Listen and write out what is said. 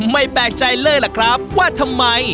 ไม่แปลกใจเลยล่ะครับว่าทำไม